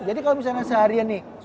jadi kalau misalnya seharian nih